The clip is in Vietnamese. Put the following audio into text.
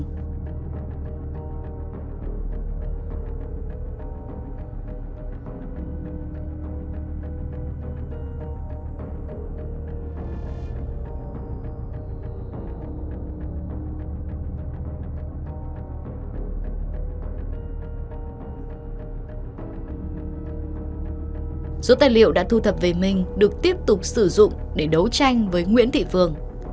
chỉ có một số tài liệu đã thu thập về minh được tiếp tục sử dụng để đấu tranh với nguyễn thị phương